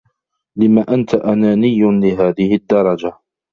لم أنت أناني لهذه الدّرجة؟